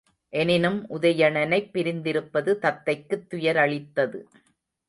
எனினும், உதயணனைப் பிரிந்திருப்பது தத்தைக்குத் துயரளித்தது.